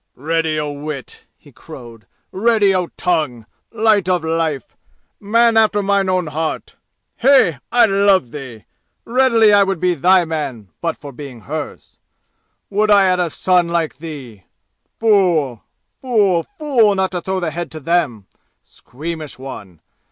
"Ready o' wit!" he crowed. "Ready o' tongue! Light o' life! Man after mine own heart! Hey, I love thee! Readily I would be thy man, but for being hers! Would I had a son like thee! Fool fool fool not to throw the head to them! Squeamish one!